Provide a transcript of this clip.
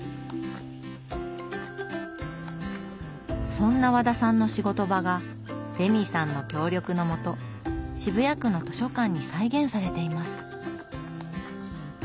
そんな和田さんの仕事場がレミさんの協力のもと渋谷区の図書館に再現されています。